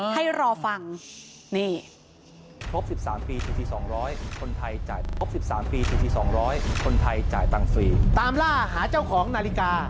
ให้รอฟังนี่